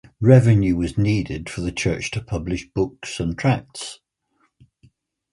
Revenue was needed for the church to publish books and tracts.